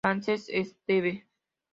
Francesc Esteve.